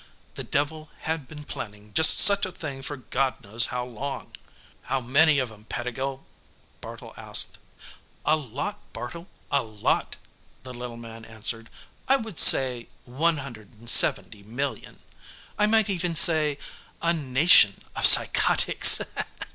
The devil had been planning just such a thing for God knows how long! "How many of 'em, Pettigill?" Bartle asked. "A lot, Bartle, a lot," the little man answered. "I would say 170 million! I might even say, a nation of psychotics!"